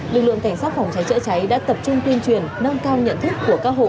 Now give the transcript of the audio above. lực lượng cảnh sát phòng cháy chữa cháy đã tập trung tuyên truyền nâng cao nhận thức của các hộ